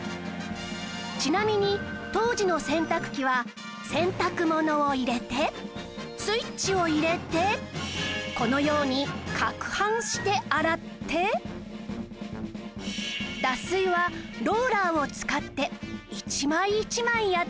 ちなみに当時の洗濯機は洗濯物を入れてスイッチを入れてこのように撹拌して洗って脱水はローラーを使って１枚１枚やっていました